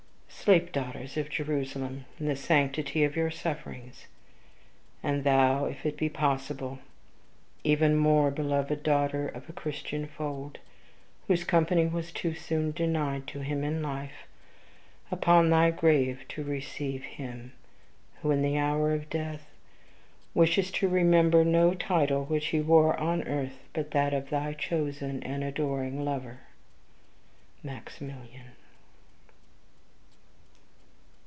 Sleep, daughters of Jerusalem, in the sanctity of your sufferings. And thou, if it be possible, even more beloved daughter of a Christian fold, whose company was too soon denied to him in life, open thy grave to receive HIM, who, in the hour of death, wishes to remember no title which he wore on earth but that of thy chosen and adoring lover, "MAXIMILIAN."